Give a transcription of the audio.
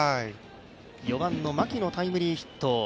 ４番の牧のタイムリーヒット。